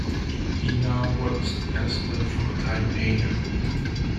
He now works as a full-time painter.